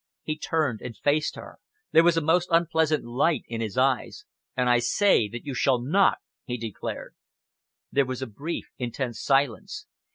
He turned and faced her. There was a most unpleasant light in his eyes. "And I say that you shall not," he declared. There was a brief, intense silence.